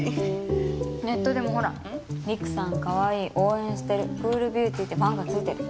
ネットでもほら「りくさん可愛い」「応援してる」「クールビューティー」ってファンがついてる。